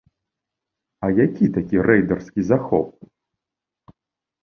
А які такі рэйдарскі захоп?